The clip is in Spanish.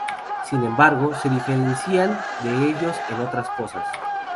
Sin embargo, se diferencian de ellos en otras cosas.